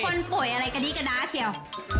คนป่วยอะไรกันดีก็ดาเชียว